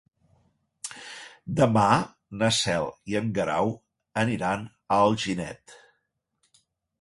Demà na Cel i en Guerau aniran a Alginet.